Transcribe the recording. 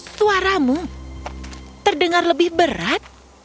suaramu terdengar lebih berat